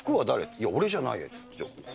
いや、俺じゃないよって。